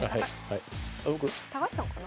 高橋さんかな。